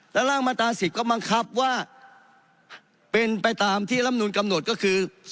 แล้วร่างมาตรา๑๐ก็บังคับว่าเป็นไปตามที่ลำนูนกำหนดก็คือ